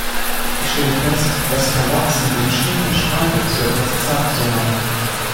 Ich stelle fest, dass Herr Watson entschieden bestreitet, so etwas gesagt zu haben.